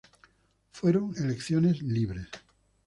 Fueron elecciones libres.